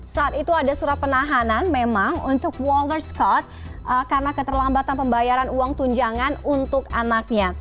saat itu ada surat penahanan memang untuk walter scott karena keterlambatan pembayaran uang tunjangan untuk anaknya